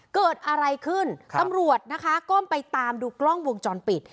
เกิดอะไรขึ้นตำรวจนะคะก็ไปตามดูกล้องวงจรปิด